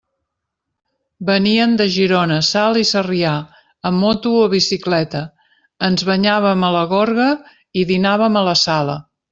Venien de Girona, Salt i Sarrià amb moto o bicicleta, ens banyàvem a la gorga i dinàvem a la Sala.